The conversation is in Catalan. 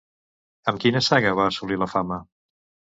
Amb quina saga va assolir la fama?